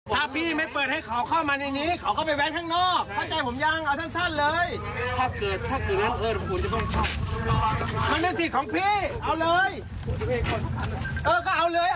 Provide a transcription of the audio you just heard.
ถ่ายไว้หมดเลยรถตำรวจทุกคันถ่ายไว้หมดเลย